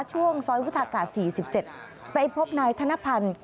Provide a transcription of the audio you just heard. ช่วงซอยวุฒากาศ๔๗ไปพบนายธนพันธ์